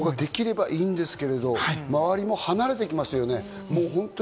それができればいいんですけど、周りも離れていきますよね。